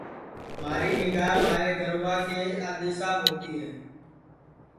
مہاری نیگھا مہارے گَروا کے آدؔیساپ ہوتی ہے